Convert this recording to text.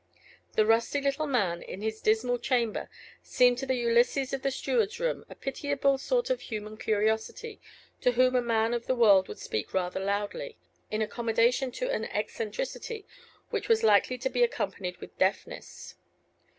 The rusty little man, in his dismal chamber, seemed to the Ulysses of the steward's room a pitiable sort of human curiosity, to whom a man of the world would speak rather loudly, in accommodation to an eccentricity which was likely to be accompanied with deafness.